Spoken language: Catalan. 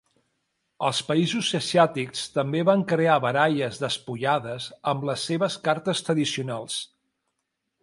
Els països asiàtics també van crear baralles despullades amb les seves cartes tradicionals.